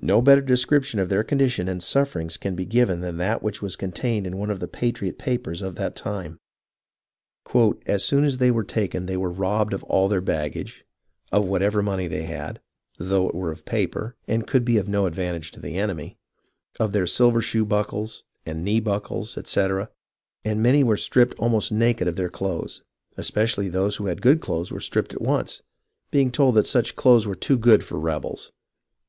No better description of their condition and sufferings can be given than that which was contained in one of the patriot papers of that time :— "As soon as they were taken they were robbed of all their baggage, of whatever money they had, though it were of paper, and could be of no advantage to the enemy, of their silver shoe buckles and knee buckles, etc., and many were stripped almost naked of their clothes. Especially those who had good clothes were stripped at once, being told that s^icJi clotlies zvere too good for rebels.